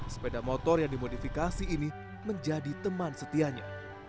sepeda motor yang dimodifikasi ini menjadi teman setianya